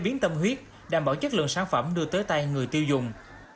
biến tâm huyết đảm bảo chất lượng sản phẩm đưa tới tay người tiêu dùng